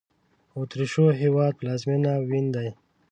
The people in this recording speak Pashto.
د اوترېش هېواد پلازمېنه وین دی